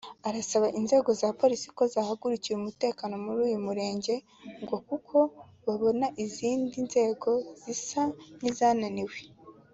Arasaba inzego za Polisi ko zahagurukira Umutekano muri uyu murenge ngo kuko babona izindi nzego zisa nizananiwe